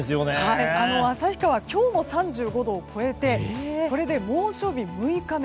旭川、今日も３５度を超えてこれで猛暑日６日目。